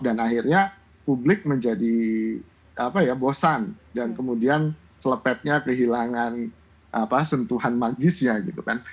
dan akhirnya publik menjadi apa ya bosan dan kemudian selepetnya kehilangan apa sentuhan magisnya gitu kan